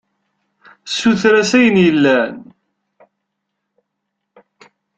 Suter-as ayen yellan.